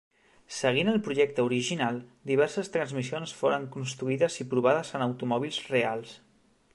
Seguint el projecte original, diverses transmissions foren construïdes i provades en automòbils reals.